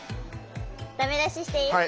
駄目出ししていい？